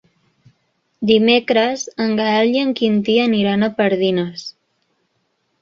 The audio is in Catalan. Dimecres en Gaël i en Quintí aniran a Pardines.